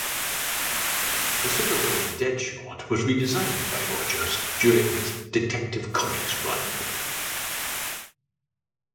The supervillain Deadshot was redesigned by Rogers during his "Detective Comics" run.